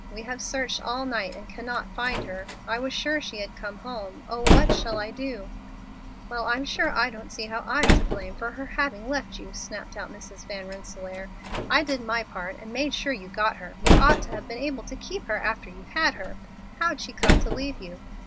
We have searched all night and cannot find her. I was sure she had come home. Oh, what shall I do?" "Well, I'm sure I don't see how I'm to blame for her having left you," snapped out Mrs. Van Rensselaer. "I did my part and made sure you got her. You ought to have been able to keep her after you had her. How'd she come to leave you?"